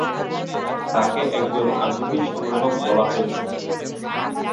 তাকে একজন আগ্রহী সংগ্রাহক বলা হয়ে থাকে।